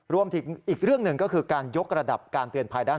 รวมถึงอีกเรื่องหนึ่งก็คือการยกระดับการเตือนภัยด้าน